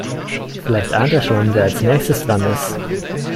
Vielleicht ahnt er schon, wer als nächstes dran ist.